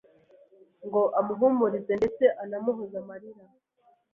ngo amuhumurize ndetse anamuhoze amarira